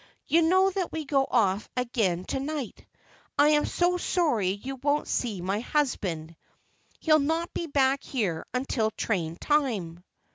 You know that we go off again to night. I'm so sorry you won't see my husband; he'll not be back here until train time."